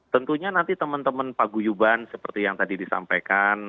tentunya nanti teman teman paguyuban seperti yang tadi disampaikan